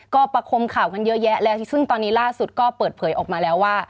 ก็ประคมข่าวกันเยอะแยะแล้วซึ่งตอนนี้ล่าสุดก็เปิดเผยออกมาแล้วว่า